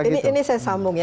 nah mungkin ini saya sambung ya